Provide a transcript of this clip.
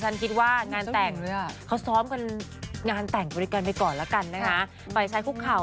และทั้งคู่ค่ะ